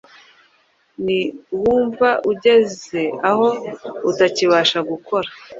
Niwumva ugeze aho utakibasha gukora